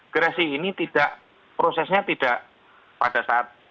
grasi ini tidak prosesnya tidak pada saat